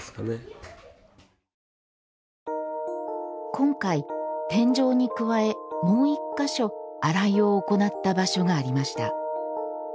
今回、天井に加えもう一か所洗いを行った場所がありました。